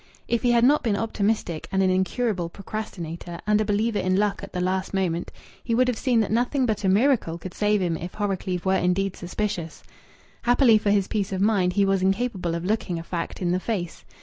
If he had not been optimistic and an incurable procrastinator and a believer in luck at the last moment, he would have seen that nothing but a miracle could save him if Horrocleave were indeed suspicious. Happily for his peace of mind, he was incapable of looking a fact in the face.